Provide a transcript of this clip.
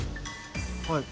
はい。